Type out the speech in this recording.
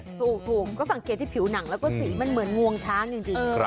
ถูกก็สังเกตที่ผิวหนังแล้วก็สีมันเหมือนงวงช้างจริง